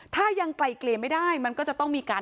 ถ้ายังไกลเกลี่ยไม่ได้มันก็จะต้องมีการ